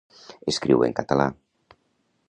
Escriu en català.